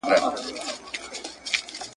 دا هېرسوي لحدونه !.